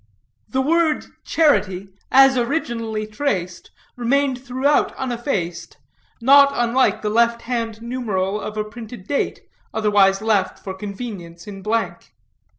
The word charity, as originally traced, remained throughout uneffaced, not unlike the left hand numeral of a printed date, otherwise left for convenience in blank.